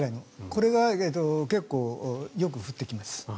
これが結構、よく降ってきます。